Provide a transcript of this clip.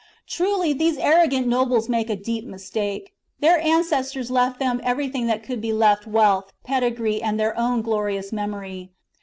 Truly these arrogant nobles make a deep mistake. Their ancestors left them everything that could be left — wealth, pedigree, and their own glorious memory.